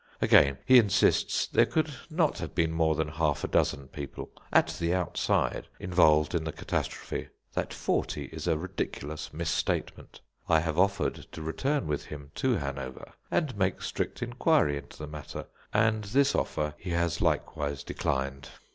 Again, he insists there could not have been more than half a dozen people, at the outside, involved in the catastrophe, that forty is a ridiculous misstatement. I have offered to return with him to Hanover and make strict inquiry into the matter, and this offer he has likewise declined.